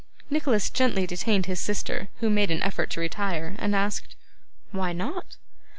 Nicholas gently detained his sister, who made an effort to retire; and asked, 'Why not?